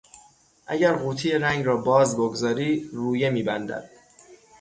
اگر قوطی رنگ را باز بگذاری رویه میبندد.